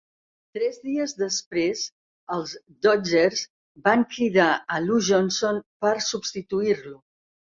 Tres dies després, els Dodgers van cridar a Lou Johnson per substituir-lo.